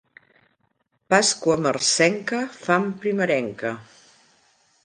Pasqua marcenca, fam primerenca.